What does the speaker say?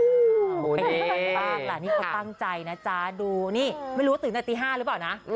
ย๊าฮู้โอ้เย้มากล่ะนี่ก็ตั้งใจนะจ๊ะดูนี่ไม่รู้ว่าตื่นแต่ตี๕หรือเปล่านะ